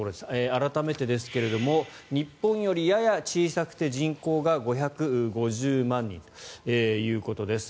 改めてですが日本よりやや小さくて人口が５５０万人ということです。